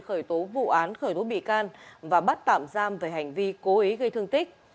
khởi tố vụ án khởi tố bị can và bắt tạm giam về hành vi cố ý gây thương tích